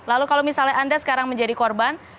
lalu kalau misalnya anda sekarang menjadi korban